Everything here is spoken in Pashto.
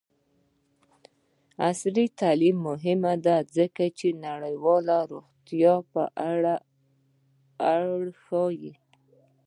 عصري تعلیم مهم دی ځکه چې د نړیوالې روغتیا په اړه ښيي.